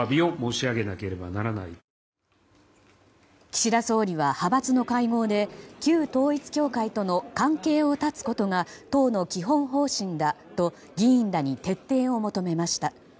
岸田総理は派閥の会合で旧統一教会との関係を断つことが党の基本方針だと議員らに徹底を求めました。